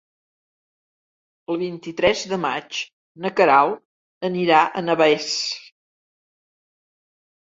El vint-i-tres de maig na Queralt anirà a Navès.